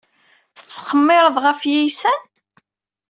Tettqemmireḍ ɣef yiysan?